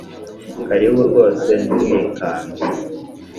karibu rwose ntimwikange